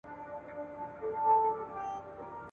یا مي خدایه ژوند له آسه برابر کړې ,